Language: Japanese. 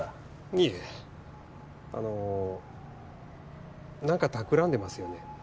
いえあの何か企んでますよね？